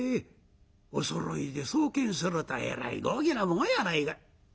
おそろいで総見するとえらい豪気なもんやないか。